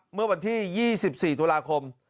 เมื่อวันที่๒๔ตุลาคม